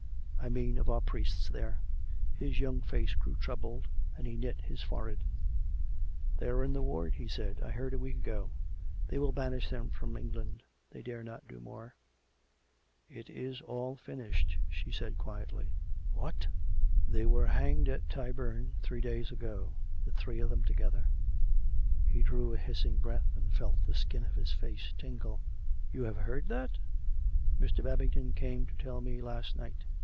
" I mean, of our priests there ?" His young face grew troubled, and he knit his forehead. " They are in ward," he said ;" I heard a week ago. ... They will banish them from England — they dare not do more !"" It is all finished," she said quietly. 192 COME RACK! COME ROPE! "What!" " They were hanged at Tyburn three days ago — the three of them together. He drew a hissing breath, and felt the skin of his face tingle. " You have heard that }"" Mr. Babington came to tell me last night.